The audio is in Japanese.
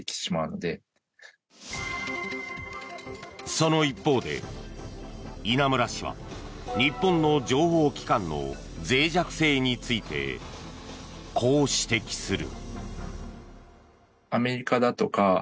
その一方で、稲村氏は日本の情報機関の脆弱性についてこう指摘する。